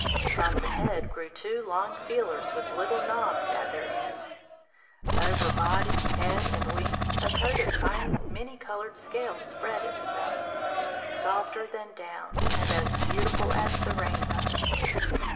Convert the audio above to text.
From the head grew two long feelers with little knobs at their ends. Over body, head, and wings a coat of tiny, many coloured scales spread itself, softer than down, and as beautiful as the rainbow.